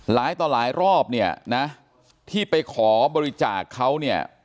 หลายต่อหลายรอบเนี่ยนะที่ไปขอบริจาคเขาเนี่ย